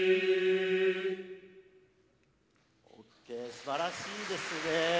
すばらしいですね。